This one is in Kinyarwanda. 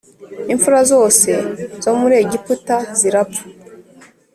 Imfura zose zo muri egiputa zirapfa